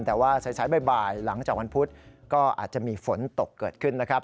แต่ว่าสายบ่ายหลังจากวันพุธก็อาจจะมีฝนตกเกิดขึ้นนะครับ